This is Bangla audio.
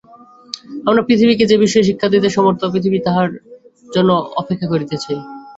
আমরা পৃথিবীকে যে-বিষয়ে শিক্ষা দিতে সমর্থ, পৃথিবী তাহার জন্য এখন অপেক্ষা করিতেছে।